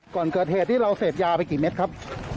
ก่อนเกิดเหตุนี้เราเสพยาไปกี่เม็ดครับ